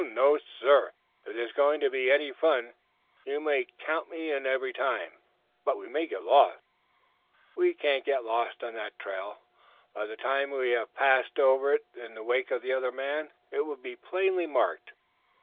"No, sir! If there is going to be any fun you may count me in every time. But we may get lost." "We can't get lost on that trail. By the time we have passed over it in the wake of the other man it will be plainly marked."